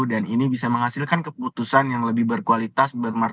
dan ini bisa menghasilkan keputusan yang lebih profesional daripada yang lalu